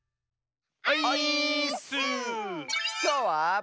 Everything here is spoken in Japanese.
きょうは。